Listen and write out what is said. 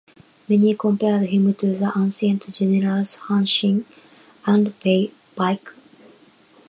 Many compared him to the ancient generals Han Xin and Bai Qi.